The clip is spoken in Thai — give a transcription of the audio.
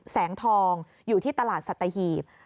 แสงทองอยู่ที่ตลาดสัตหีบ